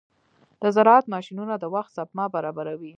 د زراعت ماشينونه د وخت سپما برابروي.